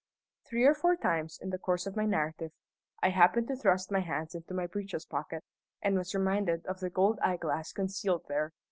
Three or four times in the course of my narrative I happened to thrust my hands into my breeches pocket, and was reminded of the gold eyeglass concealed there.